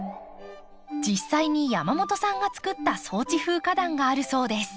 実際に山本さんが作った草地風花壇があるそうです。